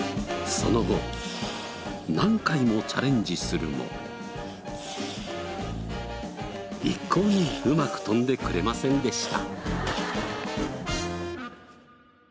その後何回もチャレンジするも一向にうまく飛んでくれませんでした。